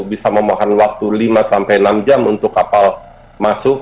bisa memohon waktu lima sampai enam jam untuk kapal masuk